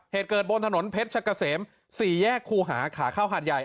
เหตุเกิดบนถนนเพชรชะกะเสม๔แยกครูหาขาเข้าหาดใหญ่